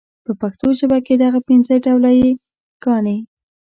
په پښتو ژبه کي دغه پنځه ډوله يې ګاني